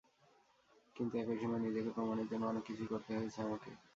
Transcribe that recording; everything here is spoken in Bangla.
কিন্তু একই সময়ে নিজেকে প্রমাণের জন্য অনেক কিছুই করতে হয়েছে আমাকে।